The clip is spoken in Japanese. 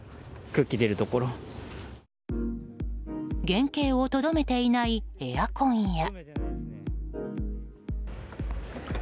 原形をとどめていないエアコンや。